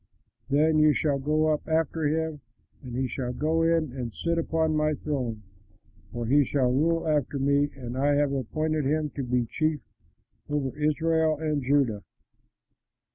Then you shall go up after him, and he shall go in and sit upon my throne, for he shall rule after me; and I have appointed him to be chief over Israel and Judah."